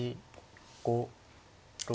５６。